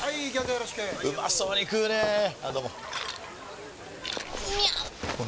よろしくうまそうに食うねぇあどうもみゃう！！